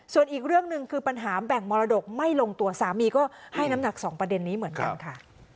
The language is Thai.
ส่วนอีกเรื่องหนึ่งคือปัญหาแบ่งมรดกไม่ลงตัวสามีก็ให้น้ำหนักสองประเด็นนี้เหมือนกันค่ะ